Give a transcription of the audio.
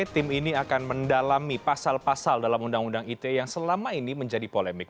tim ini akan mendalami pasal pasal dalam undang undang ite yang selama ini menjadi polemik